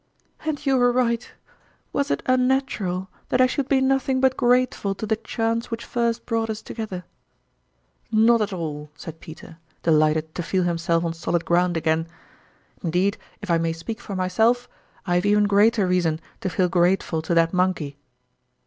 " And you were right ! "Was it unnatural that I should be nothing but grateful to the chance which first brought us together ?"" Not at all," said Peter, delighted to feel himself on solid ground again ;" indeed, if I may speak for myself, I have even greater reason to feel grateful to that monkey."